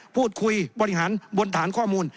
พูดคุยบริหารบนฐานข้อมูล